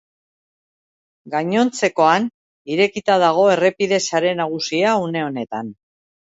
Gainontzekoan, irekita dago errepide sare nagusia une honetan.